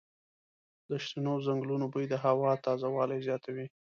د شنو ځنګلونو بوی د هوا تازه والی زیاتوي.